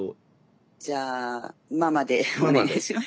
じゃあママでお願いします。